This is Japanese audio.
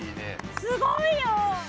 すごいよ！